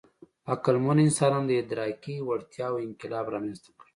عقلمنو انسانانو د ادراکي وړتیاوو انقلاب رامنځ ته کړ.